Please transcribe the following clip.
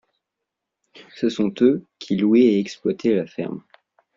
Ce sont eux qui louaient et exploitaient la ferme.